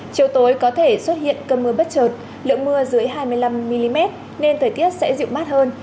chiều tối có thể xuất hiện cơn mưa bất trợt lượng mưa dưới hai mươi năm mm nên thời tiết sẽ dịu mát hơn